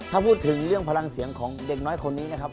ถ้าพูดถึงเรื่องพลังเสียงของเด็กน้อยคนนี้นะครับ